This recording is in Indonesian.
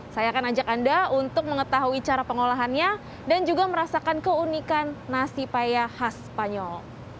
saya akan ajak anda untuk mengetahui cara pengolahannya dan juga merasakan keunikan nasi payah khas spanyol